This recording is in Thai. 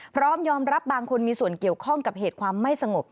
พร้อมยอมรับบางคนมีส่วนเกี่ยวข้องกับเหตุความไม่สงบ